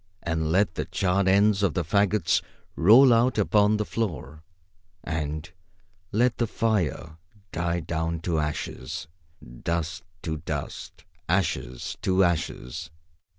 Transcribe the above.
And let the charred ends of the fagots roll out upon the floor. And let the fire die down to ashes. Dust to dust. Ashes to ashes.